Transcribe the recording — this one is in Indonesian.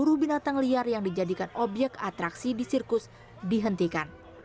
buruh binatang liar yang dijadikan obyek atraksi di sirkus dihentikan